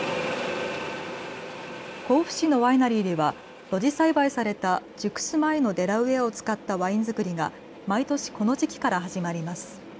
甲府市のワイナリーでは露地栽培された熟す前のデラウエアを使ったワイン造りが毎年この時期から始まります。